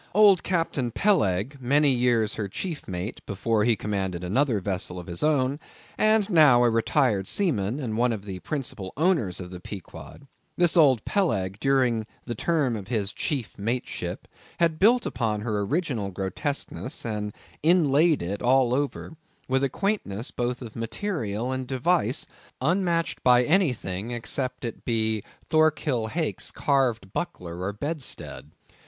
Old Captain Peleg, many years her chief mate, before he commanded another vessel of his own, and now a retired seaman, and one of the principal owners of the Pequod,—this old Peleg, during the term of his chief mateship, had built upon her original grotesqueness, and inlaid it, all over, with a quaintness both of material and device, unmatched by anything except it be Thorkill Hake's carved buckler or bedstead.